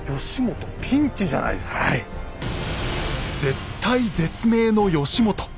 絶体絶命の義元。